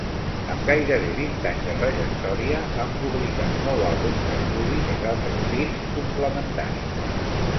Amb gairebé vint anys de trajectòria, han publicat nou àlbums d'estudi més altres discs complementaris.